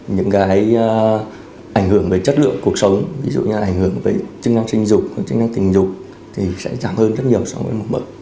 những cái ảnh hưởng về chất lượng cuộc sống ví dụ như là ảnh hưởng về chức năng sinh dục chức năng tình dục thì sẽ giảm hơn rất nhiều so với mổ mở